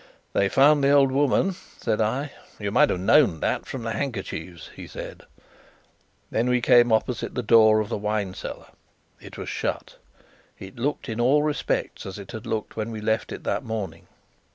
"They found the old woman," said I. "You might have known that from the handkerchiefs," he said. Then we came opposite the door of the wine cellar. It was shut. It looked in all respects as it had looked when we left it that morning.